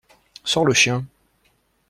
Sors le chien.